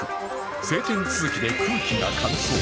晴天続きで空気が乾燥。